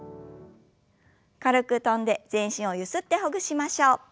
軽く跳んで全身をゆすってほぐしましょう。